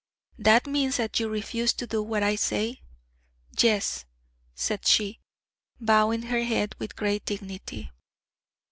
'That means that you refuse to do what I say?' 'Yes,' said she, bowing the head with great dignity.